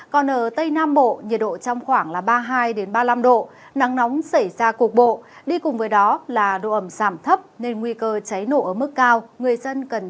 còn ở tây nam bộ nhiệt độ trong khoảng ba mươi hai ba mươi năm độ nắng nóng xảy ra cuộc bộ đi cùng với đó là độ ẩm giảm thấp nên nguy cơ cháy nổ ở mức cao người dân cần chú ý đề phòng